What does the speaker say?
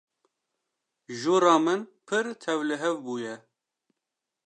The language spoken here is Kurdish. Jûra min pir tevlihev bûye.